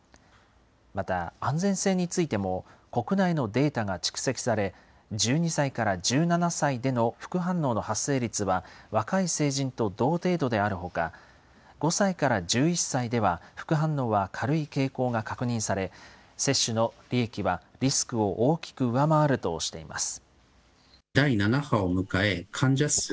また、安全性についても、国内のデータが蓄積され、１２歳から１７歳での副反応の発生率は、若い成人と同程度であるほか、５歳から１１歳では副反応は軽い傾向が確認され、接種の利益はリスクを大きく上回るとしています。